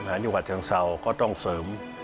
การผ่านอย่างห่วงชะเชิงเซาคอต้องเสริม